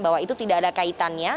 bahwa itu tidak ada kaitannya